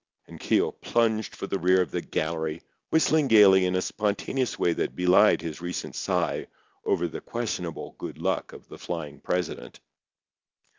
And Keogh plunged for the rear of the "gallery," whistling gaily in a spontaneous way that belied his recent sigh over the questionable good luck of the flying president.